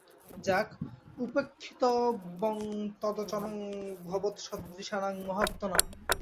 যাক, উপেক্ষিতব্যং তদ্বচনং ভবৎসদৃশানাং মহাত্মনাম্।